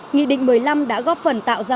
nghị định một mươi năm đã góp phần tạo ra